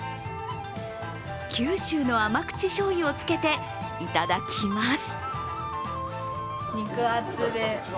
九州の甘口しょうゆをつけていただきます。